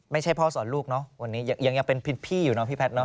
ไม่ใช่พ่อสอนลูกเนอะวันนี้ยังเป็นพี่อยู่เนาะพี่แพท